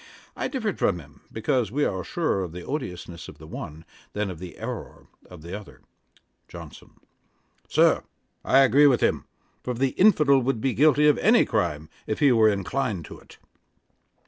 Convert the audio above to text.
I differed from him, because we are surer of the odiousness of the one, than of the errour of the other. JOHNSON. 'Sir, I agree with him; for the infidel would be guilty of any crime if he were inclined to it.'